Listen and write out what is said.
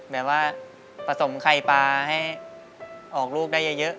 แบบว่าผสมไข่ปลาให้ออกลูกได้เยอะ